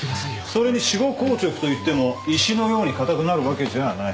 それに死後硬直といっても石のように硬くなるわけじゃない。